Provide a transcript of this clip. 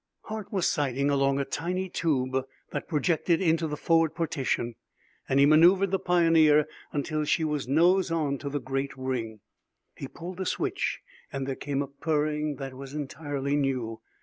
Hart was sighting along a tiny tube that projected into the forward partition and he maneuvered the Pioneer until she was nose on to the great ring. He pulled a switch and there came a purring that was entirely new.